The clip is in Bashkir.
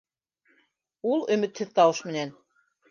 Ул өмөтһөҙ тауыш менән: